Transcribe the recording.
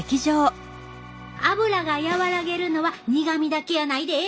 アブラが和らげるのは苦みだけやないで。